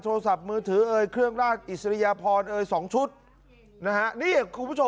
โทรศัพท์มือถือเอยเครื่องราช